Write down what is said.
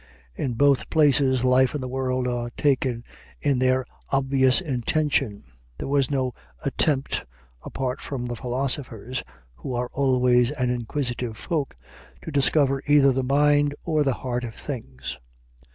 In both places life and the world are taken in their obvious intention; there was no attempt, apart from the philosophers, who are always an inquisitive folk, to discover either the mind or the heart of things.